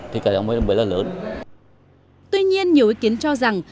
tuy nhiên nhiều ý kiến cho rằng